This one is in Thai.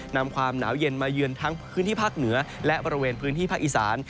นำความหนาวเย็นมาเยือนทั้งพื้นที่ภาคเหนือและบริเวณพื้นที่ภาคอีสาน